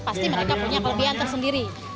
pasti mereka punya kelebihan tersendiri